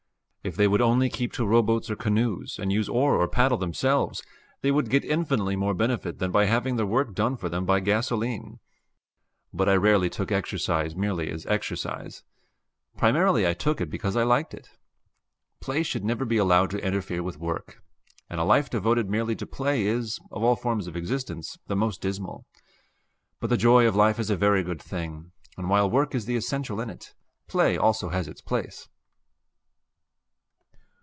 If they would only keep to rowboats or canoes, and use oar or paddle themselves, they would get infinitely more benefit than by having their work done for them by gasoline. But I rarely took exercise merely as exercise. Primarily I took it because I liked it. Play should never be allowed to interfere with work; and a life devoted merely to play is, of all forms of existence, the most dismal. But the joy of life is a very good thing, and while work is the essential in it, play also has its place.